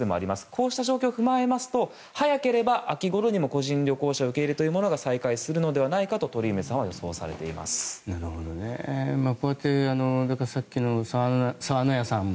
こうした状況を踏まえると早ければ秋ごろに個人旅行者の受け入れというのが再開するのではないかとさっきの澤の屋さん